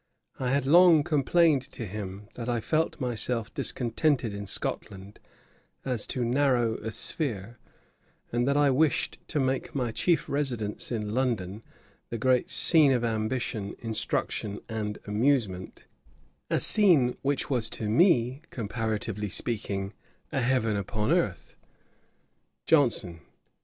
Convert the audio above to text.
I had long complained to him that I felt myself discontented in Scotland, as too narrow a sphere, and that I wished to make my chief residence in London, the great scene of ambition, instruction, and amusement: a scene, which was to me, comparatively speaking, a heaven upon earth. JOHNSON.